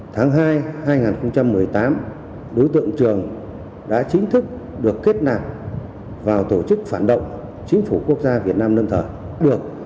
tháng hai hai nghìn một mươi tám đối tượng trường đã chính thức được kết nạp vào tổ chức phản động chính phủ quốc gia việt nam lâm thời